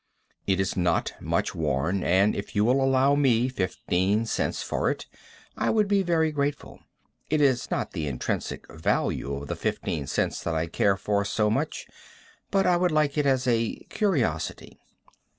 It is not much worn, and if you will allow me fifteen cents for it, I would be very grateful. It is not the intrinsic value of the fifteen cents that I care for so much, but I would like it as a curiosity.